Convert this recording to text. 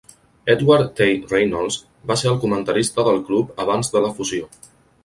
Edward T. Reynolds va ser el comentarista del club abans de la fusió.